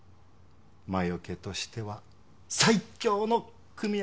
魔除けとしては最強の組み合わせです。